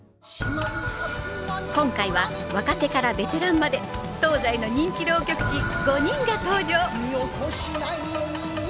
今回は若手からベテランまで東西の人気浪曲師５人が登場。